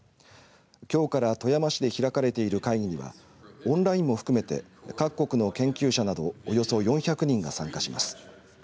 きょうから富山市で開かれている会議にはオンラインも含めて各国の研究者などおよそ４００人が参加します。